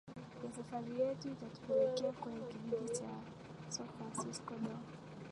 ya safari yetu ilitupeleka kwenye kijiji cha Sao Francisco do